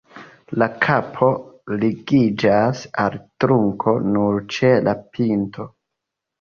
La kapo ligiĝas al trunko nur ĉe la pinto.